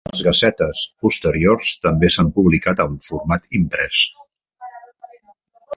Les "gazettes" posteriors també s'han publicat en format imprès.